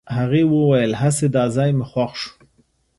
هغې وويل هسې دا ځای مې خوښ شو.